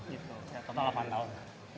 ya total delapan tahun